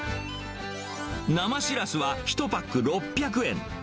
生しらすは１パック６００円。